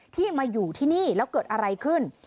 ที่มาอยู่ที่นี่แล้วเกิดอะไรขึ้น